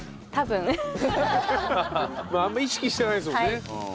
まああんまり意識してないですもんね。